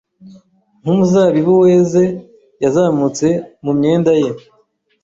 nkumuzabibu weze yazamutse mu myenda ye